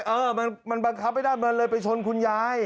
เออมันบังคับไม่ได้มันเลยไปชนคุณยาย